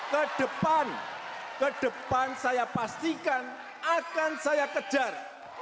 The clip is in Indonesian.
kedepan kedepan saya pastikan akan saya kejar